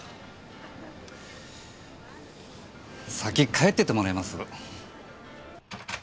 先帰っててもらえます？